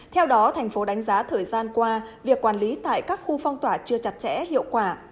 theo đó thành phố đánh giá thời gian qua việc quản lý tại các khu phong tỏa chưa chặt chẽ hiệu quả